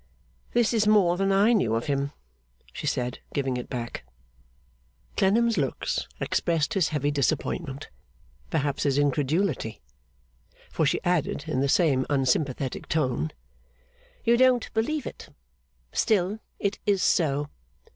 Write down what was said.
'This is more than I knew of him,' she said, giving it back. Clennam's looks expressed his heavy disappointment, perhaps his incredulity; for she added in the same unsympathetic tone: 'You don't believe it. Still, it is so.